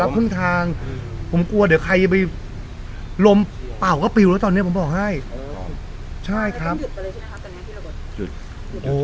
ผมกลัวเดี๋ยวใครจะไปล้มเปราะแล้วก็ปิวแล้วตอนนี้ผมบอกให้ใช่ครับ